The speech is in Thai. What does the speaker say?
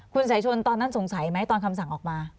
คุณสายชนตอนนั้นสงสัยไหมตอนคำสั่งออกมา